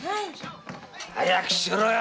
早くしろよ。